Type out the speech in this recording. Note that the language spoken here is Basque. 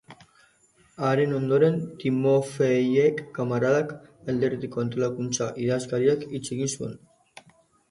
Haren ondoren Timofeiev kamaradak, alderdiko antolakuntza-idazkariak hitz egin zuen.